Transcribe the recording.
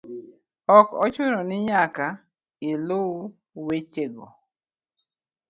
Ok ochuno ni nyaka iluw wechego